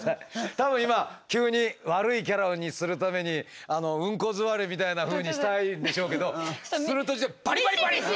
多分今急に悪いキャラにするためにウンコ座りみたいなふうにしたいんでしょうけどするとバリバリバリバリ！